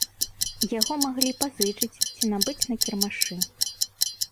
Яго маглі пазычыць ці набыць на кірмашы.